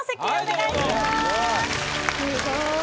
すごい。